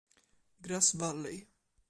Grass Valley